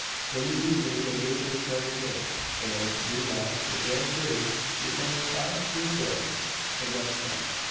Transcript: In the evening they gave the required bail; and, meanwhile, the Grand Jury returned five true bills against them.